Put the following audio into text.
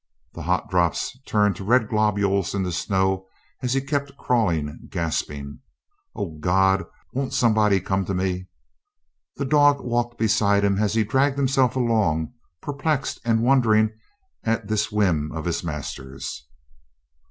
The hot drops turned to red globules in the snow as he kept crawling, gasping, "Oh, God! Won't somebody come to me?" The dog walked beside him as he dragged himself along, perplexed and wondering at this whim of his master's.